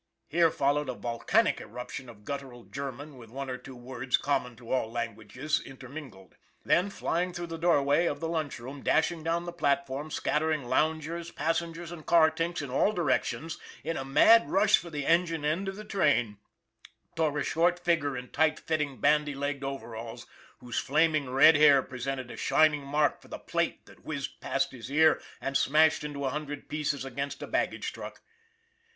" Here followed a volcanic eruption of guttural German with one or two words common to all lan guages intermingled. Then, flying through the doorway of the lunch room, dashing down the platform, scattering loungers, passengers, and car tinks in all directions, in a mad rush for the engine end of the train, tore a short figure in tight fitting, bandy legged overalls, whose flaming red hair presented a shining mark for the plate that whizzed past his ear and smashed into a hundred pieces against a baggage truck.